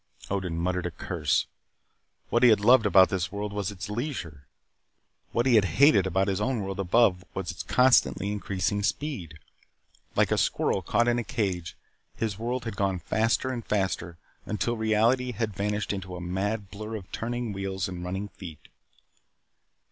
Odin muttered a curse. What he had loved about this world was its leisure. What he had hated about his own world above was its constantly increasing speed. Like a squirrel caught in a cage, his world had gone faster and faster until reality had vanished into a mad blur of turning wheels and running feet.